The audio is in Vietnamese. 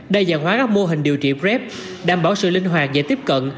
đa dạng hóa các mô hình điều trị greg đảm bảo sự linh hoạt dễ tiếp cận